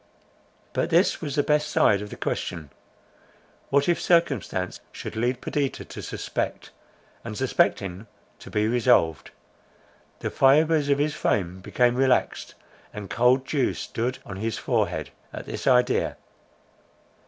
But this was the best side of the question. What, if circumstance should lead Perdita to suspect, and suspecting to be resolved? The fibres of his frame became relaxed, and cold dew stood on his forehead, at this idea.